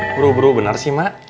buru buru benar sih mak